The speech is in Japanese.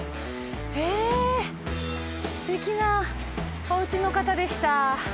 えっすてきなお家の方でした。